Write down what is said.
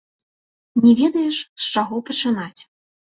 Не ведаеш, з чаго пачынаць.